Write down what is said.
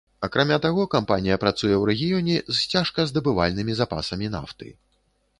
Акрамя таго, кампанія працуе ў рэгіёне з цяжказдабывальнымі запасамі нафты.